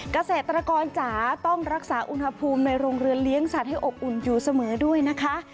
เกษตรกรจ๋าต้องรักษาอุณหภูมิในโรงเรือนเลี้ยงสัตว์ให้อบอุ่นอยู่เสมอด้วยนะคะ